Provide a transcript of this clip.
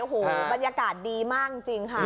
บรรยากาศดีมากจริงค่ะ